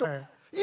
今。